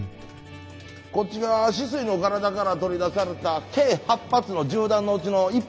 こっちが酒々井の体から取り出された計８発の銃弾のうちの１発や。